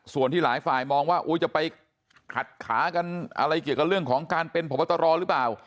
ส่วนที่หลายฝ่ายมองว่าจะไปขัดขากันอะไรเกี่ยวกับเรื่องของการเป็นพบตรหรือเปล่า